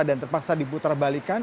dan terpaksa diputar balikan